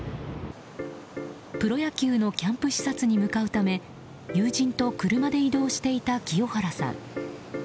プロ野球のキャンプ視察に向かうため友人と車で移動していた清原さん。